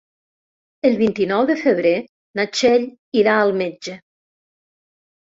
El vint-i-nou de febrer na Txell irà al metge.